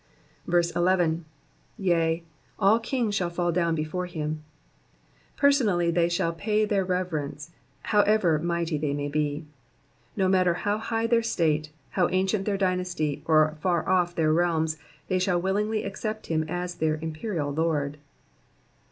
11. ''Yea, all kings tfhall fall doicn before him.'''' Personally shall they pay their reverence, however mighty they may be. No matter how' high their state, how ancient their dyn:isty, or far off their realms, they shall willingly accept him as their Imperial Lord.